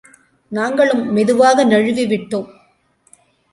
நாங்களும் மெதுவாக நழுவிவிட்டோம்.